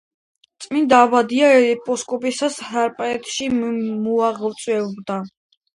წმინდა აბდია ეპისკოპოსი სპარსეთში მოღვაწეობდა.